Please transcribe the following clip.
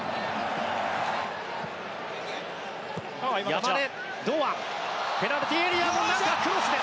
山根、堂安ペナルティーエリアの中。